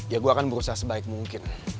ya gue akan berusaha sebaik mungkin